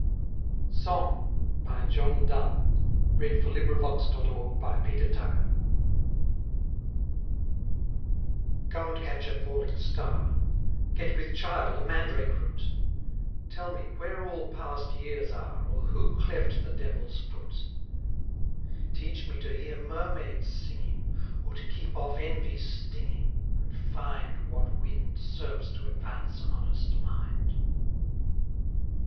erday I may be yours again! Winthrop Mackworth Praed. SONG Go and catch a falling star, Get with child a mandrake root; Tell me where all past years are, Or who cleft the Devil's foot; Teach me to hear Mermaids singing, Or to keep off envy's stinging, And find What wind Serves to advance an honest mind.